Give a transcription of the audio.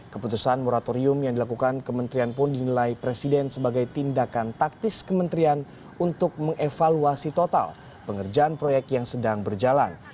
keputusan moratorium yang dilakukan kementerian pun dinilai presiden sebagai tindakan taktis kementerian untuk mengevaluasi total pengerjaan proyek yang sedang berjalan